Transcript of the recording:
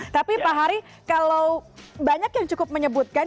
tapi pak hari kalau banyak yang cukup menyebutkan